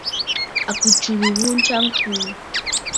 À kɨ tsurə ghu ntsya ŋkuu.